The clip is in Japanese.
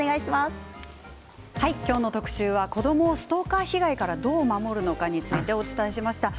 今日の特集は子どもをストーカー被害からどう守るのかお伝えしました。